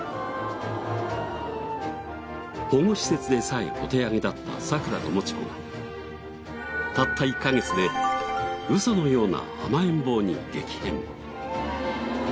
保護施設でさえお手上げだった桜ともち子がたった１カ月でウソのような甘えん坊に激変。